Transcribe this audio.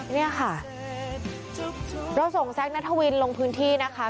นะคะเราส่งแซกณฑวิลลงพื้นที่นะคะ